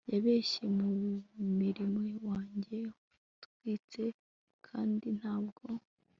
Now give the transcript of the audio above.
Yabeshye ku muriro wanjye watwitse kandi ntabwo